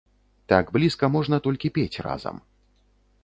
Так блізка можна толькі пець разам.